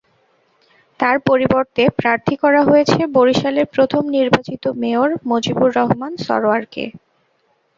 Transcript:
তাঁর পরিবর্তে প্রার্থী করা হয়েছে বরিশালের প্রথম নির্বাচিত মেয়র মজিবর রহমান সরোয়ারকে।